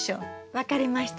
分かりました。